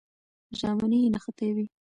ژامنې یې نښتې وې.